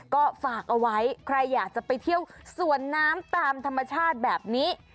ก็ฝากเอาไว้ใครอยากจะไปเที่ยวสวนน้ำตามธรรมชาติแบบนี้